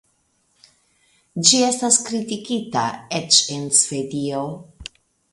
Ĝi estas kritikita eĉ en Svedio.